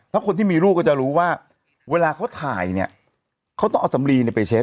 ถ้าคนที่มีลูกก็จะรู้ว่าเวลาเขาถ่ายเนี่ยเขาต้องเอาสำลีเนี่ยไปเช็ด